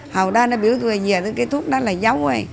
hầu đa nó biểu tượng là dìa thuốc đó là dấu